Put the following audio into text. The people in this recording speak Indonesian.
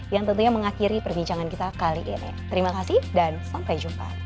yang tentunya mengakhiri perbincangan kita kali ini